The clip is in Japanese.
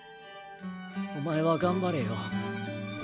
お前は頑張れよ。